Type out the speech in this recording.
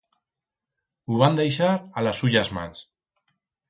Hu van deixar a las suyas mans.